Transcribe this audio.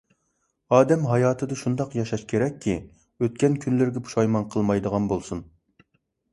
ئادەم ھاياتىدا شۇنداق ياشاش كېرەككى، ئۆتكەن كۈنلىرىگە پۇشايمان قىلمايدىغان بولسۇن!